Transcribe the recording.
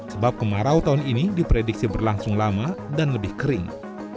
sebab kemarau tahun ini diprediksi berlangsung lama dan lebih kering